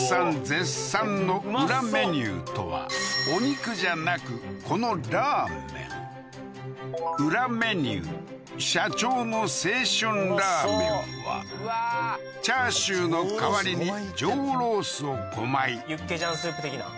絶賛の裏メニューとはお肉じゃなくこのラーメン裏メニュー社長の青春ラーメンはチャーシューの代わりに上ロースを５枚ユッケジャンスープ的な？